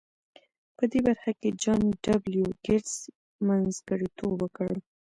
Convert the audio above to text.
په دې برخه کې جان ډبلیو ګیټس منځګړیتوب وکړ